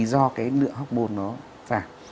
do cái nửa học bộ của chúng ta